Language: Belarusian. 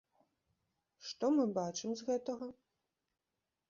Што мы бачым з гэтага?